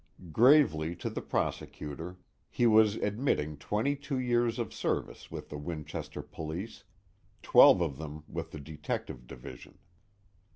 Gravely, to the prosecutor, he was admitting twenty two years of service with the Winchester Police, twelve of them with the Detective Division.